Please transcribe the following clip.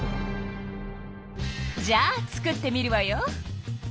じゃあ作ってみるわよ。